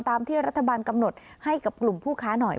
ตามที่รัฐบาลกำหนดให้กับกลุ่มผู้ค้าหน่อย